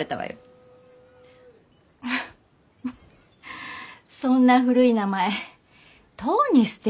そんな古い名前とうに捨ててる。